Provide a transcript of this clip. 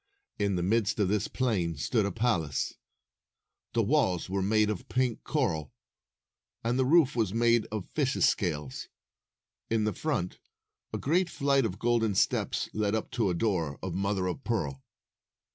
In the midst of this plain stood a palace. The walls were made of pink coral, and the roof was made of fishes' scales. In the front, a great flight of golden steps led up to a door of mother of pearl.